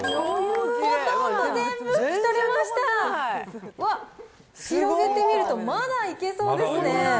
うわっ、広げてみると、まだいけそうですね。